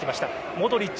モドリッチ